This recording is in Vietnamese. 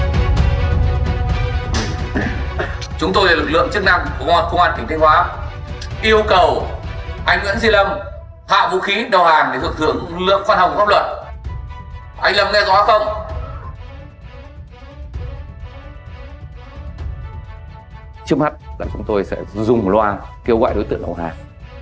trước mắt chúng tôi sẽ dùng loa kêu gọi đối tượng vào hàng